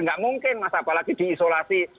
nggak mungkin mas apalagi di isolasi